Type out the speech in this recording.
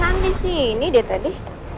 kenapa disini dia tadi